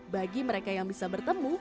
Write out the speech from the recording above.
bagi mereka yang bisa bertemu